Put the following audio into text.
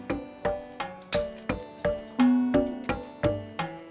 iya tuhan abra muka tenang